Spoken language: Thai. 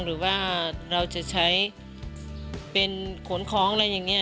หรือว่าเราจะใช้เป็นขนของอะไรอย่างนี้